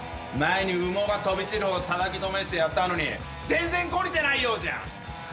前に羽毛が飛び散るほどたたきのめしてやったのに全然懲りてないようじゃん。